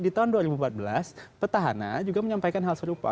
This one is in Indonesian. di tahun dua ribu empat belas petahana juga menyampaikan hal serupa